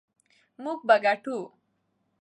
موږ به ګټو.